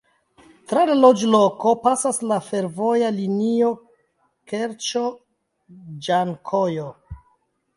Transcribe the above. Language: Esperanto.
Tra la loĝloko pasas la fervoja linio Kerĉo-Ĝankojo.